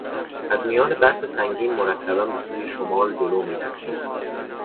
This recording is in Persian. از میان برف سنگین مرتبا به سوی شمال جلو میرفتیم.